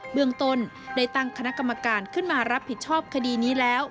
เมืองต้นได้ตั้งคณะกรรมการขึ้นมารับผิดชอบคดีนี้แล้ว